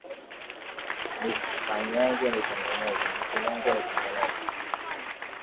Nifinyange, nitengeneze